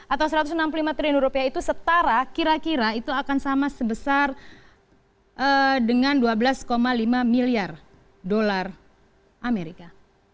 atau satu ratus enam puluh lima triliun rupiah itu setara kira kira itu akan sama sebesar dengan dua belas lima miliar dolar amerika